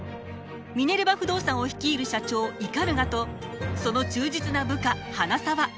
ミネルヴァ不動産を率いる社長鵤とその忠実な部下花澤。